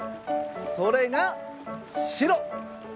それが白！